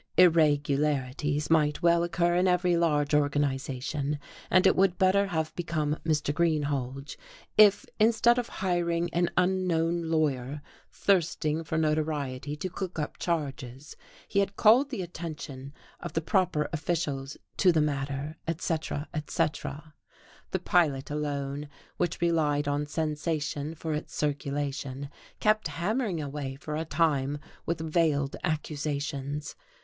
"Irregularities" might well occur in every large organization; and it would better have become Mr. Greenhalge if, instead of hiring an unknown lawyer thirsting for notoriety to cook up charges, he had called the attention of the proper officials to the matter, etc., etc. The Pilot alone, which relied on sensation for its circulation, kept hammering away for a time with veiled accusations.